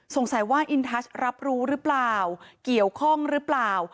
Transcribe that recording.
สงสัยว่าอินทัชรับรู้หรือเปล่าเกี่ยวข้องหรือเปล่า